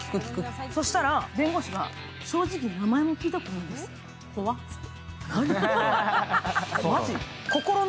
そしたら弁護士が、正直名前も聞いたことありませんって。